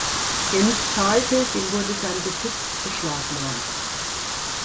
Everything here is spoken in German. Wer nicht zahlte, dem wurde sein Besitz beschlagnahmt.